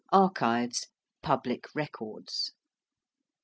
~archives~: public records.